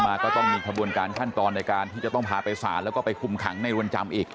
ก็ต้องมีขบวนการขั้นตอนในการที่จะต้องพาไปสารแล้วก็ไปคุมขังในรวนจำอีก